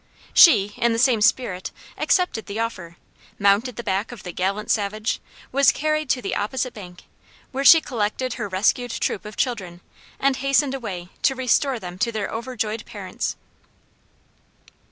She, in the same spirit, accepted the offer, mounted the back of the gallant savage, was carried to the opposite bank, where she collected her rescued troop of children, and hastened away to restore them to their overjoyed parents.